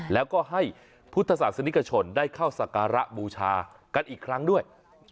แล้วก็ให้พุทธศาสนิกชนได้เข้าสการะบูชากันอีกครั้งด้วย